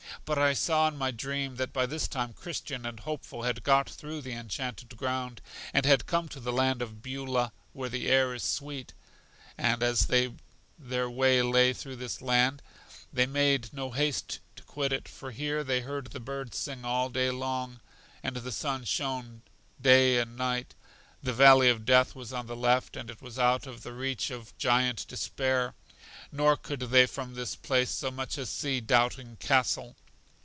But I saw in my dream that by this time Christian and Hopeful had got through The Enchanted Ground and had come to the land of Beulah, where the air is sweet; and as their way lay through this land, they made no haste to quit it, for here they heard the birds sing all day long, and the sun shone day and night; the Valley of Death was on the left, and it was out of the reach of Giant Despair; nor could they from this place so much as see Doubting Castle.